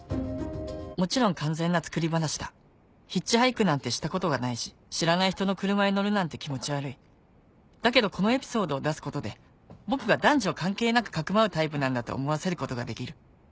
もちろん完全な作り話だヒッチハイクなんてしたことがないし知らない人の車に乗るなんて気持ち悪いだけどこのエピソードを出すことで僕が男女関係なく匿うタイプなんだと思わせることができる